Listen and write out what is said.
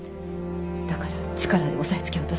だから力で押さえつけようとする。